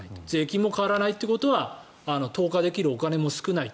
税金も変わらないということは投下できるお金も少ない。